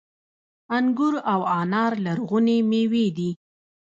انګور او انار لرغونې میوې دي